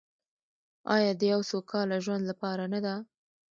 آیا د یو سوکاله ژوند لپاره نه ده؟